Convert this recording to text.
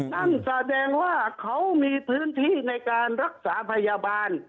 นั่นแสดงว่าเขามีพื้นที่ในการรักษาพยาบาล